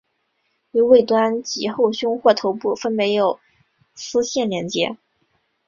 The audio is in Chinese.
于尾端及后胸或头部分别有丝线连结。